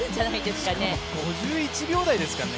しかも５１秒台ですからね